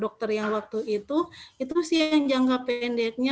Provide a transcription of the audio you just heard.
dokter yang waktu itu itu sih yang jangka pendeknya